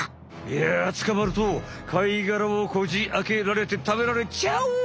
いやつかまると貝がらをこじあけられてたべられちゃう！